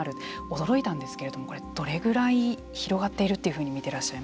驚いたんですけれどもこれどれぐらい広がっているっていうふうに見てらっしゃいますか。